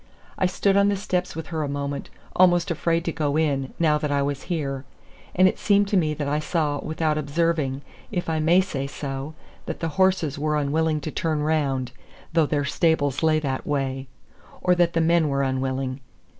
I stood on the steps with her a moment, almost afraid to go in, now that I was here; and it seemed to me that I saw without observing, if I may say so, that the horses were unwilling to turn round, though their stables lay that way, or that the men were unwilling.